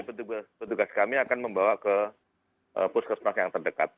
jadi petugas kami akan membawa ke puskesmas yang terdekat